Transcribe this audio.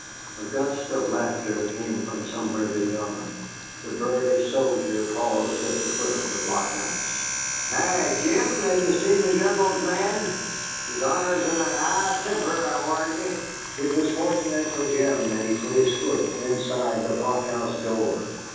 A gust of laughter came from somewhere beyond. The burly soldier paused at the foot of the blockhouse. "Hi, Jem, have ye seen the General's man? His Honor's in a 'igh temper, I warrant ye." It was fortunate for Jem that he put his foot inside the blockhouse door.